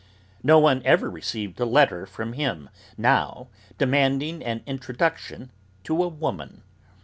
No one ever received a letter from him now demanding an introduction to a woman.